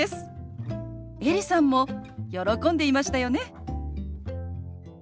エリさんも喜んでいましたよね。